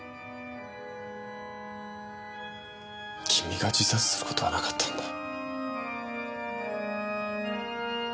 君が自殺する事はなかったんだ。